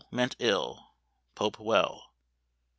meant ill. Pope well_.